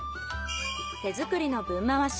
手作りのぶん回し。